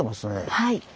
はい。